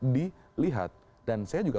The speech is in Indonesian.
dilihat dan saya juga